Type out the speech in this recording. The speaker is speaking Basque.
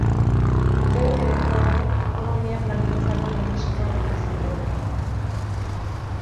Urtebete geroago, Ekonomia Plangintzako ministro egin zuten.